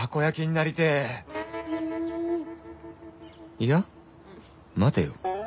いや待てよ